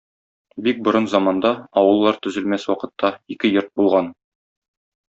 Бик борын заманда, авыллар төзелмәс вакытта, ике йорт булган.